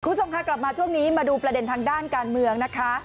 คุณผู้ชมค่ะกลับมาช่วงนี้มาดูประเด็นทางด้านการเมืองนะคะ